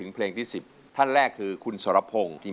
พี่จ๊าพี่จ๊าพี่